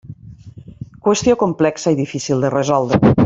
Qüestió complexa i difícil de resoldre.